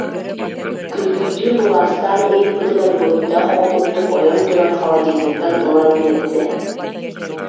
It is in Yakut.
күргүйдүү былаастаан ыйыппытыгар, буруйдаах оҕо курдук ойон туран, холодильниктан ылан биэрдэ